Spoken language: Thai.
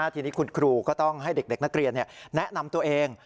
ทีนี้คุณครูก็ต้องให้เด็กนักเรียนแนะนำตัวเอง